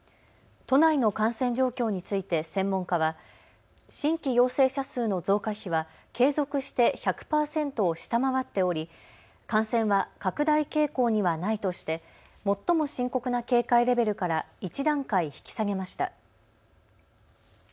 都内の感染状況について専門家は新規陽性者数の増加比は継続して１００％を下回っており感染は拡大傾向にはないとして最も深刻な警戒レベルから１段階引き下げました。